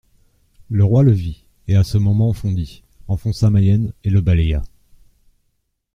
Le roi le vit, et, à ce moment, fondit, enfonça Mayenne et le balaya.